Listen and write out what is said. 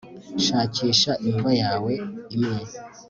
Shakisha imva yawe imwe